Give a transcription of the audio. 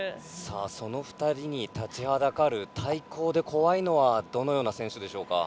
その２人に立ちはだかる対抗で怖いのはどのような選手でしょうか？